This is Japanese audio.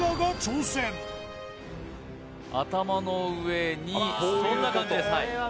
頭の上にそんな感じです